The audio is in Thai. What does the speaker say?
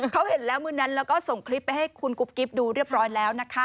เขาเห็นแล้วมือนั้นแล้วก็ส่งคลิปไปให้คุณกุ๊บกิ๊บดูเรียบร้อยแล้วนะคะ